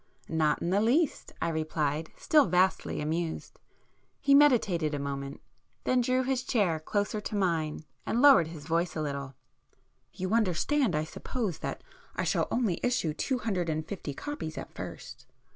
"Not in the least!" I replied, still vastly amused. He meditated a moment,—then drew his chair closer to mine and lowered his voice a little. "You understand I suppose, that I shall only issue two hundred and fifty copies at first?"